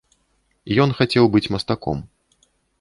Ён хацеў быць мастком.